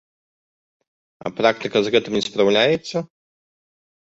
А практыка з гэтым не спраўляецца?